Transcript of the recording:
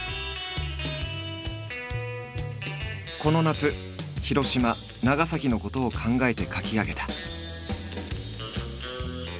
この夏広島長崎のことを考えて描き上げた。